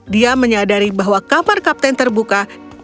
dia menyadari bahwa kamar kapten terbuka